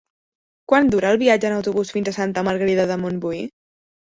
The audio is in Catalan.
Quant dura el viatge en autobús fins a Santa Margarida de Montbui?